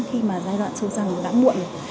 khi mà giai đoạn sâu răng đã muộn